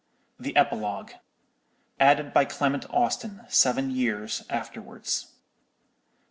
_ THE EPILOGUE: ADDED BY CLEMENT AUSTIN SEVEN YEARS AFTERWARDS.